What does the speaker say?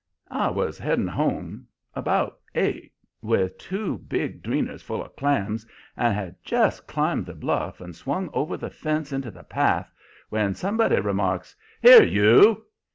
"I was heading for home about eight, with two big dreeners full of clams, and had just climbed the bluff and swung over the fence into the path, when somebody remarks: 'Here, you!'